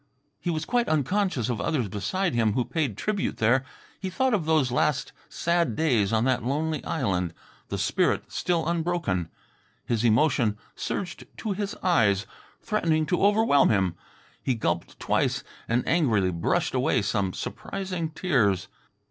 He was quite unconscious of others beside him who paid tribute there. He thought of those last sad days on that lonely island, the spirit still unbroken. His emotion surged to his eyes, threatening to overwhelm him. He gulped twice and angrily brushed away some surprising tears.